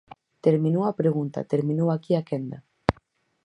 Terminou a pregunta, terminou aquí a quenda.